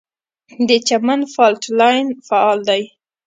د چمن فالټ لاین فعال دی